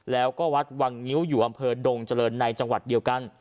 แล้วก็วัดวังงิ้วอยู่อำเภอดงเจริญในจังหวัดเดียวกัน